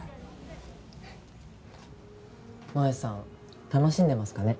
萌さん楽しんでますかね。